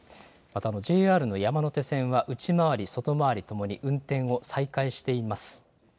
ＪＲの山手線は内回り、外回りともに運転を再開しています。